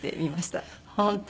本当。